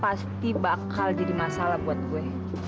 pasti bakal jadi masalah buat gue